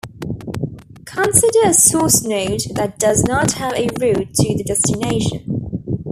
Consider a source node that does not have a route to the destination.